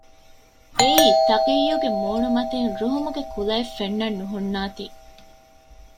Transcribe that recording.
އެއީ ތަގިއްޔުގެ މޫނުމަތިން ރުހުމުގެ ކުލައެއް ފެންނަން ނުހުންނާތީ